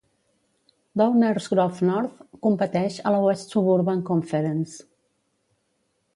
Downers Grove North competeix a la West Suburban Conference.